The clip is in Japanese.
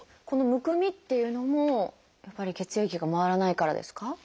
この「むくみ」っていうのもやっぱり血液が回らないからですか？